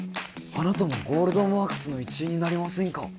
「あなたもゴールドマークスの一員になりませんか？」